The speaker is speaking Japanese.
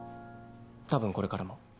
多分これからも。